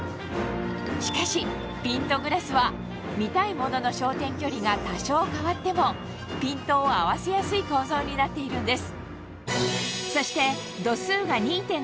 しかしピントグラスは見たいものの焦点距離が多少変わってもピントを合わせやすい構造になっているんです